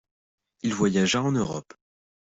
Il voyagea en Europe.